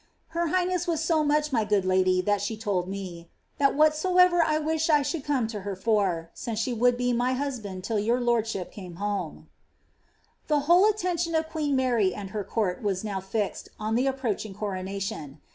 Her highness was so noeh my good lady, that she told me, ^that whatsoever I wished I should eome to her for, since she would be my husband till your lordship came homeL* " The whole attention of queen Mary and her court waa now find ea the approaching coronation.